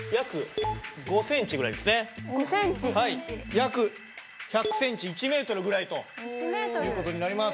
約１００センチ１ｍぐらいという事になります。